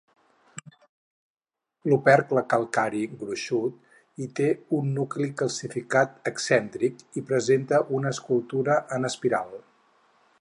L'opercle calcari gruixut i té un nucli calcificat excèntric, i presenta una escultura en espiral.